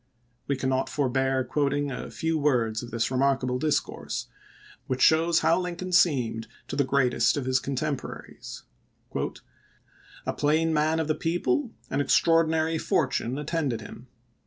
We cannot forbear quoting a few words of this remarkable discourse, which shows how Lincoln seemed to the greatest of his contemporaries : "A plain man of the people, an extraordinary fortune attended him.